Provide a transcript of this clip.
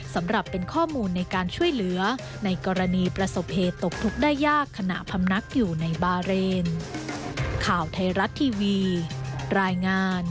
สำหรับเป็นข้อมูลในการช่วยเหลือในกรณีประสบเหตุตกทุกข์ได้ยากขณะพำนักอยู่ในบาเรน